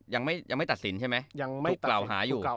ยังไม่ตัดสินใช่ไหมยังไม่กล่าวหาอยู่